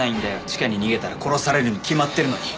地下に逃げたら殺されるに決まってるのに。